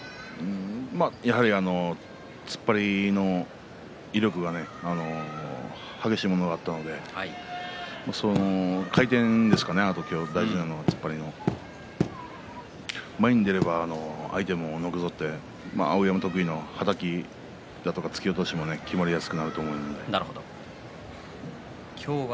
やはり突っ張りの威力が激しいものがあったのであと、回転ですかね、大事なのは前に出れば碧山得意のはたきとか突き落としもきまりやすくなると思うんで。